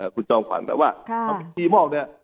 คุณจองขวัญแปลว่าทางพิธีบ้านนี้